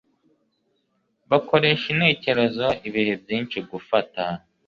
bakoresha intekerezo Ibihe byinshi gufata